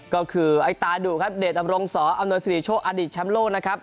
ก็คือไอ้ตาดุครับเดชอำรงสออำนวยสิริโชคอดีตแชมป์โลกนะครับ